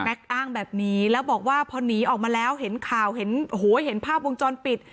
อ้างแบบนี้แล้วบอกว่าพอหนีออกมาแล้วเห็นข่าวเห็นโอ้โหเห็นภาพวงจรปิด